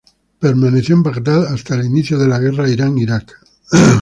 Permaneció en Bagdad hasta el inicio de la Guerra Irán-Irak.